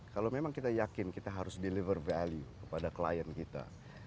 kalau memang kita yakin kita harus deliver value kepada klien kita